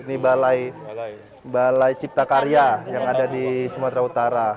ini balai cipta karya yang ada di sumatera utara